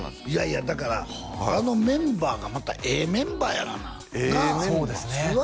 いやいやだからあのメンバーがまたええメンバーやがななあそうですね